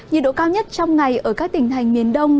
nhiệt độ cao nhất trong ngày ở các tỉnh thành miền đông